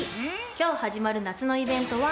今日始まる夏のイベントは。